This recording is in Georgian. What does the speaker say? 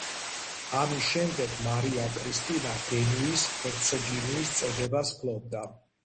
ამის შემდეგ მარია კრისტინა გენუის ჰერცოგინიის წოდებას ფლობდა.